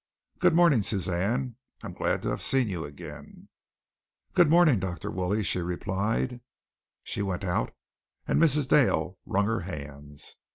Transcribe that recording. "Good morning, Suzanne. I am glad to have seen you again." "Good morning, Dr. Woolley," she replied. She went out and Mrs. Dale wrung her hands.